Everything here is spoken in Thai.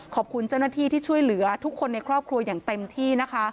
ขอบคุณเจ้าหน้าที่ที่ช่วยเหลือทุกคนในครอบครัวอย่างเต็มที่นะคะ